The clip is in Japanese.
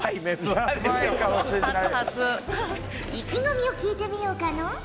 意気込みを聞いてみようかのう？